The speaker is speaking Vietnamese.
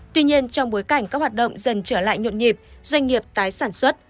tuy nhiên trong bối cảnh các hoạt động dần trở lại nhộn nhịp doanh nghiệp tái sản xuất